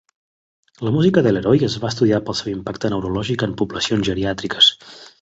La música de Leroy es va estudiar pel seu impacte neurològic en poblacions geriàtriques.